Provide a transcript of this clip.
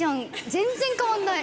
全然変わんない！